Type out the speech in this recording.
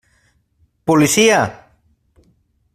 Policia!